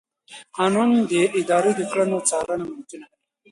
قانون د ادارې د کړنو څارنه ممکنوي.